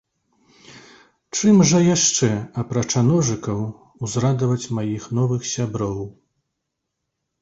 Чым жа яшчэ, апрача ножыкаў, узрадаваць маіх новых сяброў?